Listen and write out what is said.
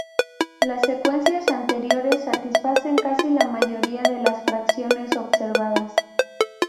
Las secuencias anteriores satisfacen casi la mayoría de las fracciones observadas.